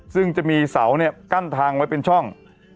ซึ่งจะมีเศสน์เนี่ยกั้นทางไว้เป็นช่อง